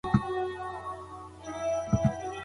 آیا ملکیار هوتک د شیخ ملکیار په نوم هم یادېږي؟